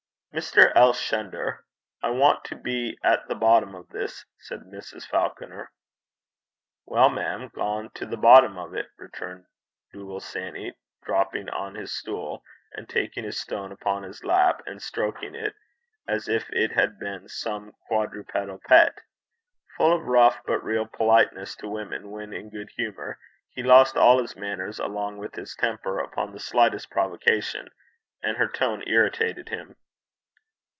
'Mr. Elshender, I want to be at the boddom o' this,' said Mrs. Falconer. 'Weel, mem, gang to the boddom o' 't,' returned Dooble Sanny, dropping on his stool, and taking his stone upon his lap and stroking it, as if it had been some quadrupedal pet. Full of rough but real politeness to women when in good humour, he lost all his manners along with his temper upon the slightest provocation, and her tone irritated him.